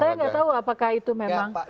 saya nggak tahu apakah itu memang